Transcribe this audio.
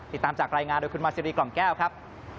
ติดตามจากรายงานโดยคุณมาซีรีกล่อมแก้วครับ